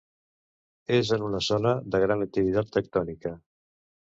És en una zona de gran activitat tectònica.